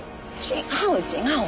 違う違う。